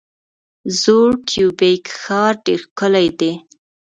زوړ کیوبیک ښار ډیر ښکلی دی.